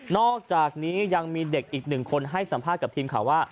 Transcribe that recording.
อกจากนี้ยังมีเด็กอีกหนึ่งคนให้สัมภาษณ์กับทีมข่าวว่า